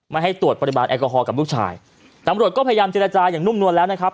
ให้ตรวจปริมาณแอลกอฮอลกับลูกชายตำรวจก็พยายามเจรจาอย่างนุ่มนวลแล้วนะครับ